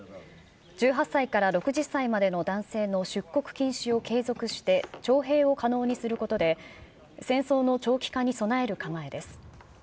１８歳から６０歳までの男性の出国禁止を継続して、徴兵を可能にすることで戦争の長期化に備える構えです。